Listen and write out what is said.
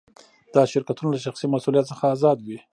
دا شرکتونه له شخصي مسوولیت څخه آزاد وي.